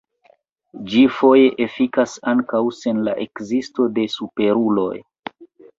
Ĝi foje efikas ankaŭ sen la ekzisto de superuloj.